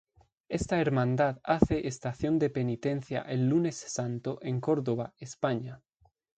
Esta hermandad hace estación de Penitencia el Lunes Santo en Córdoba, España.